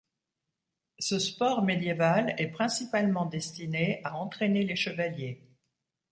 Ce sport médiéval est principalement destiné à entraîner les chevaliers.